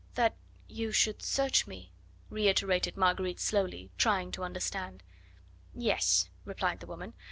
"That you should search me!" reiterated Marguerite slowly, trying to understand. "Yes," replied the woman.